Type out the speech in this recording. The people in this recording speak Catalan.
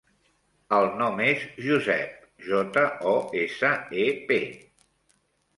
El nom és Josep: jota, o, essa, e, pe.